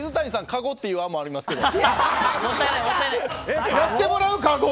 かごっていう案もありますけど。